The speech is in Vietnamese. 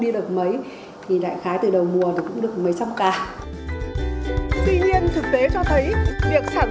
đi được mấy thì lại khái từ đầu mùa cũng được mấy trăm ca tuy nhiên thực tế cho thấy việc sản